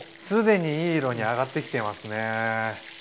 既にいい色に揚がってきていますね。